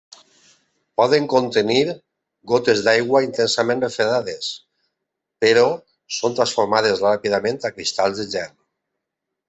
Poden contenir gotes d'aigua intensament refredades, però són transformades ràpidament a cristalls de gel.